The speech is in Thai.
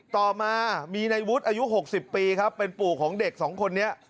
ต่อมามีในวุฒิอายุ๖๐ปีครับเป็นปู่ของเด็กสองคนนี้